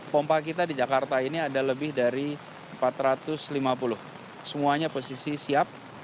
pompa kita di jakarta ini ada lebih dari empat ratus lima puluh semuanya posisi siap